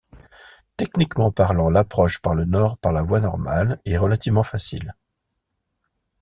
Techniquement parlant, l'approche par le nord par la voie normale est relativement facile.